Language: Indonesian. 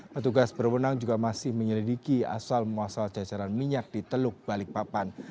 petugas berwenang juga masih menyelidiki asal muasal cacaran minyak di teluk balikpapan